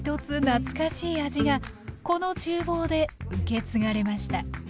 懐かしい味がこのちゅう房で受け継がれました